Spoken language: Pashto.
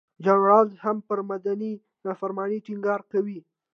جان رالز هم پر مدني نافرمانۍ ټینګار کوي.